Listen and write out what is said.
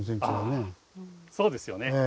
あぁそうですよね。